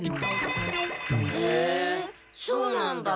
へえそうなんだ。